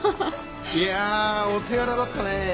いやお手柄だったねぇ。